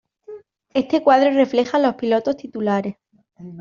Este cuadro refleja los pilotos titulares.